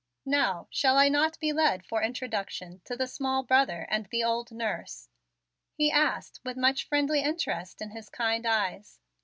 "Now shall I not be led for introduction to the small brother and the old nurse?" he asked with much friendly interest in his kind eyes.